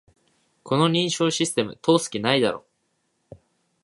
この認証システム、通す気ないだろ